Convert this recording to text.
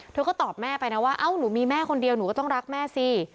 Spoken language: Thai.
เธอก็ตอบแม่ไปนะว่าเอ้าหนูมีแม่คนเดียวหนูก็ต้องรักแม่สิ